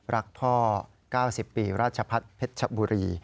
รักพ่อ๙๐ปีราชพัฒน์เพชรชบุรี